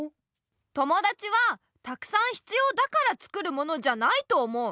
友だちはたくさんひつようだからつくるものじゃないと思う。